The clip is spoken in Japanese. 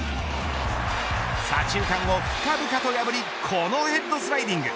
左中間を深々と破りこのヘッドスライディング。